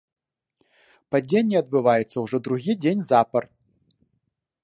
Падзенне адбываецца ўжо другі дзень запар.